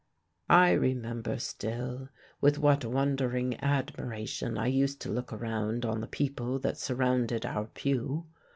I remember still with what wondering admiration I used to look around on the people that surrounded our pew.